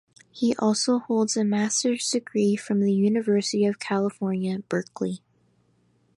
He also holds a Master's degree from the University of California, Berkeley.